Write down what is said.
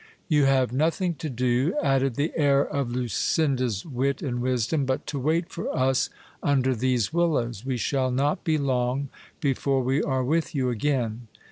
You have no thing to do, added the heir of Lucinda's wit and wisdom, but to wait for us under these willows : we shall not be long before we are with you again.